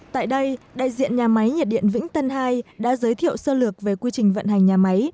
tại đây đại diện nhà máy nhiệt điện vĩnh tân hai đã giới thiệu sơ lược về quy trình vận hành nhà máy